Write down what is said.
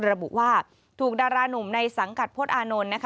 ระบุว่าถูกดารานุ่มในสังกัดพลตอานนท์นะคะ